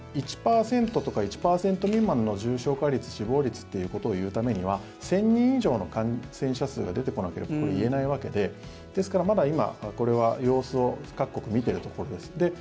１％とか１％未満の重症化率、死亡率ということを言うためには１０００人以上の感染者数が出てこないといえないわけでですから、まだ今これは様子を各国、見ているところです。